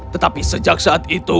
tetapi sejak saat itu